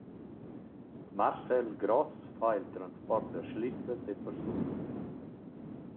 Marcel Gross fa il transport da schlitras e persunas.